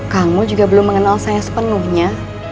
kang mul juga belum mengenal saya sepenuhnya